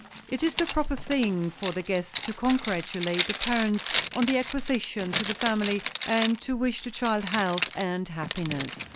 It is the proper thing for the guests to congratulate the parents on the acquisition to the family and to wish the child health and happiness.